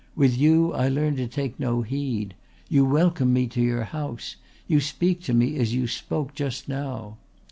With you I learn to take no heed. You welcome me to your house. You speak to me as you spoke just now."